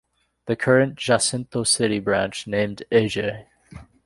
The current Jacinto City branch, named A. J.